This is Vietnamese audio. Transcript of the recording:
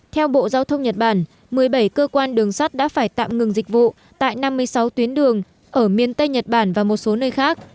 theo bộ giao thông nhật bản một mươi bảy cơ quan đường sắt đã phải tạm ngừng dịch vụ tại năm mươi sáu tuyến đường ở miền tây nhật bản và một số nơi khác